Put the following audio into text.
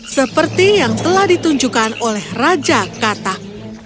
seperti yang telah ditunjukkan oleh raja katak